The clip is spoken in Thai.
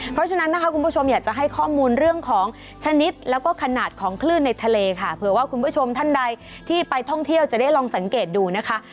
เพราะฉะนั้นนะคะคุณผู้ชมอยากจะให้ข้อมูลเรื่องของชนิดแล้วก็ขนาดของคลื่นในทะเลค่ะเผื่อว่าคุณผู้ชมท่านใดที่ไปท่องเที่ยวจะได้ลองสังเกตดูนะคะ